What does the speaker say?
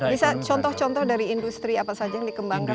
bisa contoh contoh dari industri apa saja yang dikembangkan